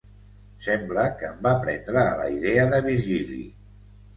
Sembla que en va prendre la idea de Virgili.